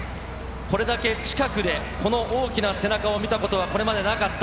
これだけ近くで、この大きな背中を見たことはこれまでなかった。